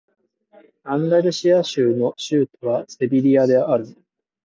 アンダルシア州の州都はセビリアである